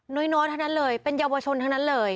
น้อยทั้งนั้นเลยเป็นเยาวชนทั้งนั้นเลย